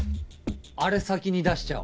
あれ先に出しちゃお。